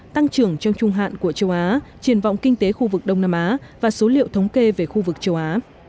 tăng trưởng trong trung hạn của châu á triển vọng kinh tế khu vực đông nam á và số liệu thống kê về khu vực châu á